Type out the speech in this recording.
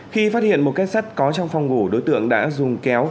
khi phát hiện một kết sắt có trong phòng ngủ đối tượng đã dùng kéo